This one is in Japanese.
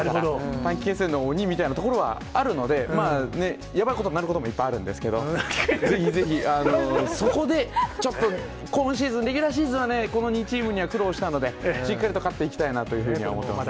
短期決戦の鬼みたいなところはあるので、やばいことになることもいっぱいあるんですけど、ぜひぜひ、そこで、ちょっと、今シーズン、レギュラーシーズンはこの２チームには苦労したので、しっかりと勝っていきたいなというふうには思ってますね。